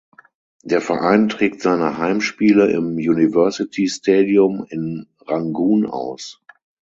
Der Verein trägt seine Heimspiele im University Stadium in Rangun aus.